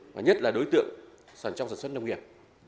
và nhất là đối tượng sản trong sản xuất nông nghiệp